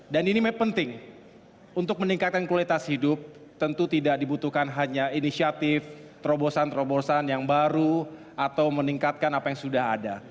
dan ini penting untuk meningkatkan kualitas hidup tentu tidak dibutuhkan hanya inisiatif terobosan terobosan yang baru atau meningkatkan apa yang sudah ada